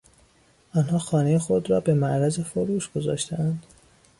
آنها خانهی خود را به معرض فروش گذاشتهاند.